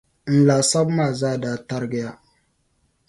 N laasabu maa zaa da tarigiya.